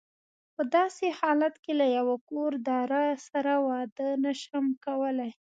په داسې حالت کې له یوه کور داره سره واده نه شم کولای.